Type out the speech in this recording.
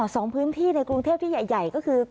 สองพื้นที่ในกรุงเทพที่ใหญ่ก็คือ